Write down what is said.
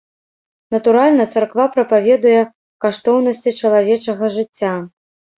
Натуральна, царква прапаведуе каштоўнасці чалавечага жыцця.